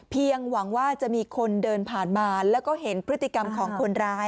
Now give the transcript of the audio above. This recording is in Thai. หวังว่าจะมีคนเดินผ่านมาแล้วก็เห็นพฤติกรรมของคนร้าย